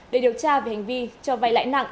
để điều tra về hành vi cho vay lãi nặng